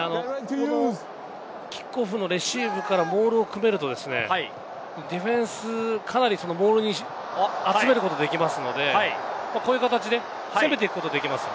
キックオフのレシーブからモールを組めるとディフェンス、かなりモールに集めることができますので、こういう形で攻めていくことができます。